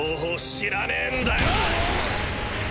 知らねえんだよ！